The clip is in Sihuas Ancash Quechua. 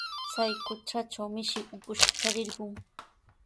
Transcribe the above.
Chay kutatraw mishi ukush charirqun.